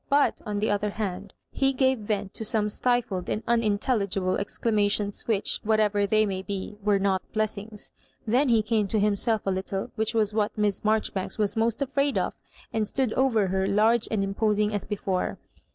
But, on the other hand, he gave vent to some stifled and unintelligible ex damations which, whatever they might be, were not blessings. Then he came to himself a little, which. was what Miss Maijoribanks was most afraid of, and stood over her, large and imposing as before.